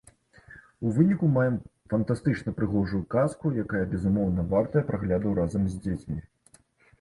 У выніку маем фантастычна прыгожую казку, якая, безумоўна, вартая прагляду разам з дзецьмі.